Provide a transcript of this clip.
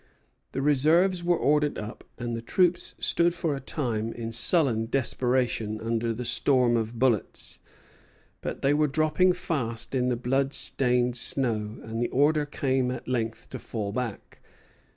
The reserves were ordered up, and the troops stood for a time in sullen desperation under the storm of bullets; but they were dropping fast in the blood stained snow, and the order came at length to fall back.